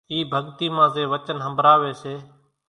اِي ڀڳتي مان زين وچن ۿنڀراوي سي۔